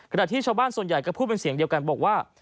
ที่ชาวบ้านส่วนใหญ่ก็พูดเป็นเสียงเดียวกันบอกว่า